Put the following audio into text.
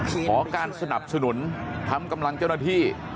ขอการสนับสนุนทำกำลังเจ้าหน้าที่